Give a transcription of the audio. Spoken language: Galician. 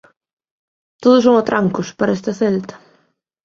Todo son atrancos para este Celta.